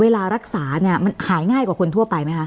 เวลารักษาเนี่ยมันหายง่ายกว่าคนทั่วไปไหมคะ